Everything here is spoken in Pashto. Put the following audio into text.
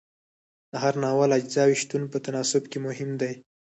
د هر ناول اجزاو شتون په تناسب کې مهم دی.